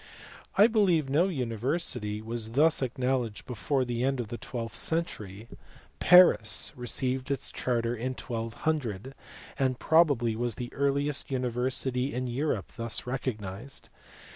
l I believe no university was thus ac knowledged before the end of the twelfth century. Paris received its charter in 1200, and probably was the earliest university in Europe thus recognized.